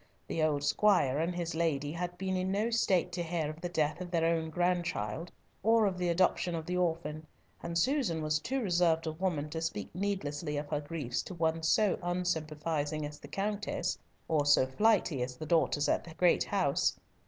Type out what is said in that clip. The old squire and his lady had been in no state to hear of the death of their own grandchild, or of the adoption of the orphan and Susan was too reserved a woman to speak needlessly of her griefs to one so unsympathising as the Countess or so flighty as the daughters at the great house.